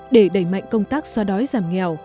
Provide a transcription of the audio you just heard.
để đẩy mạnh công tác xóa đói giảm nghèo